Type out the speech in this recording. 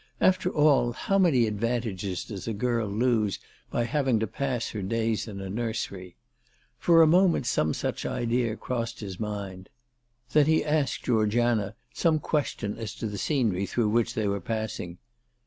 After all, how many advantages does a girl lose by having to pass her days in a nursery ! For a moment some such idea crossed his mind. Then he asked Georgiana some question as to the scenery through which they were passing.